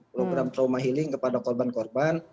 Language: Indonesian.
program trauma healing kepada korban korban